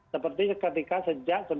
seperti ketika sejak sembilan februari